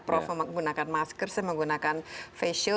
prof menggunakan masker saya menggunakan face shield